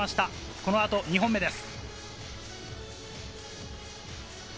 この後、２本目です。